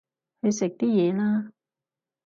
去食啲嘢啦